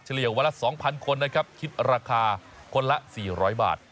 เลี่ยวันละ๒๐๐คนนะครับคิดราคาคนละ๔๐๐บาท